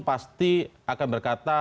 pasti akan berkata